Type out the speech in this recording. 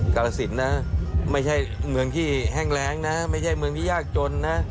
กาลสินนะไม่ใช่เมืองที่แห้งแรงนะไม่ใช่เมืองที่ยากจนนะ